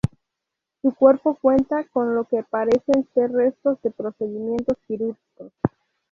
Su cuerpo cuenta con lo que parecen ser restos de procedimientos quirúrgicos.